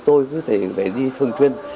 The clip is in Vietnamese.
tôi cứ phải đi thường xuyên